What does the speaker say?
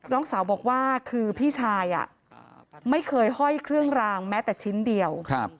น้องสาวบอกว่าคือพี่ชายไม่เคยห้อยเครื่องรางแม้แต่ชิ้นเดียว